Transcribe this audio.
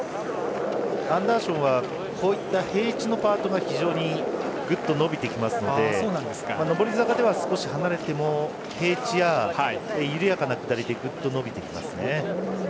アンダーションはこういった平地のパートが非常にぐっと伸びてきますので上り坂では少し離れても平地や緩やかな下りでぐっと伸びてきますね。